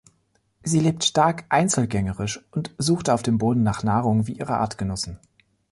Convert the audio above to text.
Sie lebt stark einzelgängerisch und sucht auf dem Boden nach Nahrung wie ihre Artgenossen.